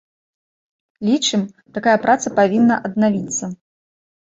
Лічым, такая праца павінна аднавіцца.